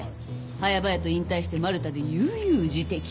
早々と引退してマルタで悠々自適。